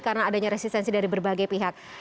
karena adanya resistensi dari berbagai pihak